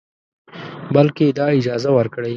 بلکې دا اجازه ورکړئ